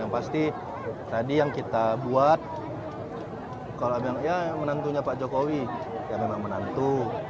yang pasti tadi yang kita buat kalau bilang ya menantunya pak jokowi ya memang menantu